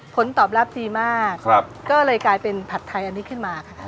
ผลตอบรับดีมากก็เลยกลายเป็นผัดไทยอันนี้ขึ้นมาค่ะ